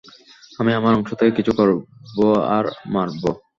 আমি আমার অংশ থেকে কিছু করব আর মরব।